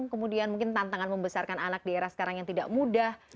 kemudian mungkin tantangan membesarkan anak di era sekarang yang tidak mudah